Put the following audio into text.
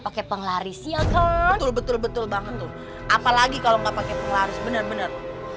pakai penglaris ya kan betul betul betul banget tuh apalagi kalau pakai pelan benar benar